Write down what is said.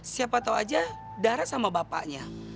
siapa tahu aja dara sama bapaknya